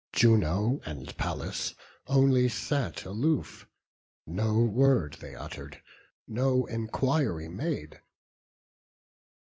Juno and Pallas only sat aloof; No word they utter'd, no enquiry made.